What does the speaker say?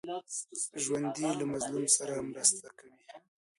ژوندي له مظلوم سره مرسته کوي